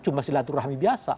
cuma silaturahmi biasa